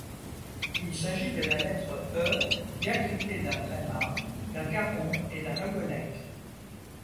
Il s’agit de la lettre E diacritée d’un tréma, d’un caron et d’un ogonek.